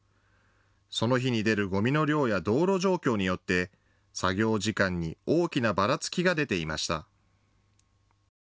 その日に出るゴミの量や道路状況によって作業時間に大きなばらつきが出ていました。